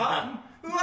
うわ！